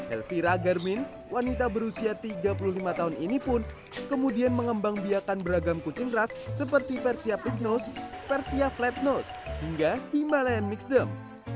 elvira garmin wanita berusia tiga puluh lima tahun ini pun kemudian mengembang biakan beragam kucing ras seperti persia pink nose persia flat nose hingga himalayan mixed dem